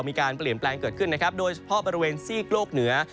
มีการเปลี่ยนแปลงเกิดขึ้นนะครับโดยเฉพาะบริเวณซีกโลกเหนือ